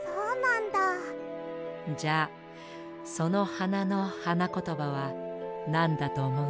じゃあそのはなのはなことばはなんだとおもう？